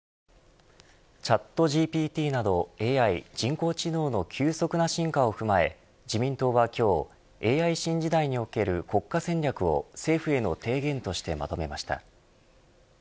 ＣｈａｔＧＰＴなどＡＩ人工知能の急速な進化を踏まえ自民党は今日ＡＩ新時代における国家戦略を、政府への提言としてまとめました。